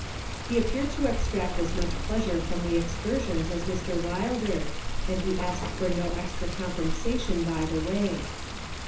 He appeared to extract as much pleasure from the excursions as Mr. Wilder, and he asked for no extra compensation by the way.